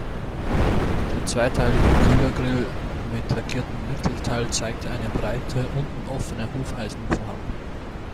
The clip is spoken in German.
Der zweiteilige Kühlergrill mit lackiertem Mittelteil zeigte eine breite, unten offene Hufeisenform.